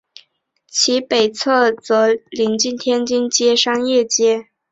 其北侧则邻近天津街商业街。